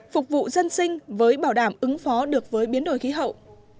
phục vụ dân sinh với bảo đảm ứng phó được với biến đổi khí hậu